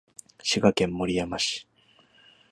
滋賀県守山市